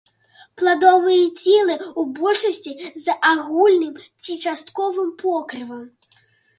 Пладовыя целы ў большасці з агульным ці частковым покрывам.